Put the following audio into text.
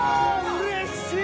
うれしい！